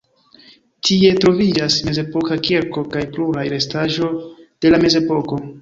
Tie troviĝas mezepoka kirko kaj pluraj restaĵo de la mezepoko.